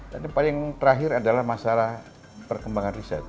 dan yang terakhir adalah masalah perkembangan riset